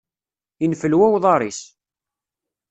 Infelwa uḍaṛ-is.